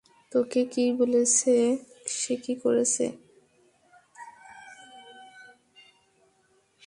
তোকে কি বলেছে সে কী করেছে?